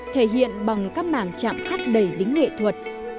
thể hiện bằng các mảng chạm khắc đầy đính nghệ thuật